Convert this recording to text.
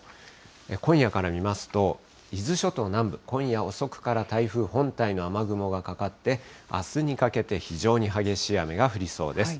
今夜から見ますと、伊豆諸島南部、今夜遅くから台風本体の雨雲がかかって、あすにかけて、非常に激しい雨が降りそうです。